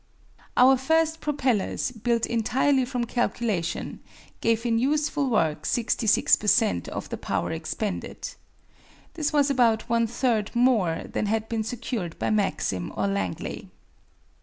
Our first propellers, built entirely from calculation, gave in useful work 66 per cent. of the power expended. This was about one third more than had been secured by Maxim or Langley.